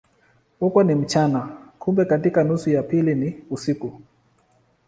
Huko ni mchana, kumbe katika nusu ya pili ni usiku.